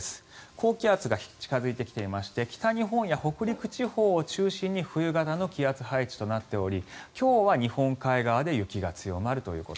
高気圧が近付いてきていまして北日本や北陸地方を中心に冬型の気圧配置となっており今日は日本海側で雪が強まるということ。